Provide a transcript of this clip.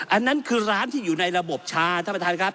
อันนั้นคือร้านที่อยู่ในระบบชาท่านประธานครับ